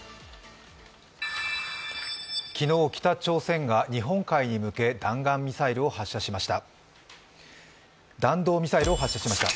昨日、北朝鮮が日本海に向け弾道ミサイルを発射しました。